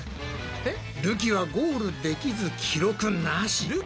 るきはゴールできず記録なし。